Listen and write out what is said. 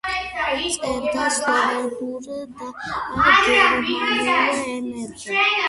წერდა სლოვენურ და გერმანულ ენებზე.